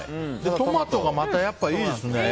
トマトがまたいいですね。